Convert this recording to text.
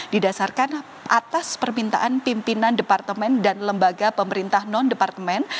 didasarkan atas permintaan pimpinan departemen dan lembaga pemerintah non departemen